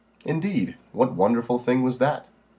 "Indeed. What wonderful thing was that?"